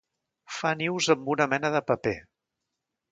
Fa nius amb una mena de paper.